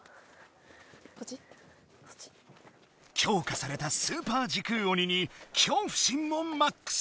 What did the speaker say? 強化されたスーパー時空鬼に恐怖心もマックス！